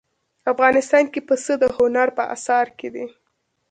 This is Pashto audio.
افغانستان کې پسه د هنر په اثار کې دي.